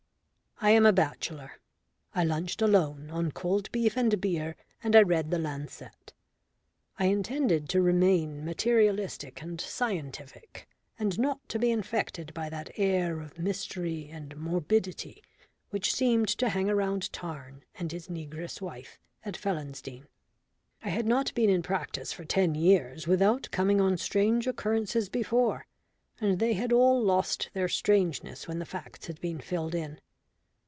I am a bachelor. I lunched alone on cold beef and beer, and I read the Lancet. I intended to remain materialistic and scientific, and not to be infected by that air of mystery and morbidity which seemed to hang round Tarn and his negress wife at Felonsdene. I had not been in practice for ten years without coming on strange occurrences before, and they had all lost their strangeness when the facts had been filled in.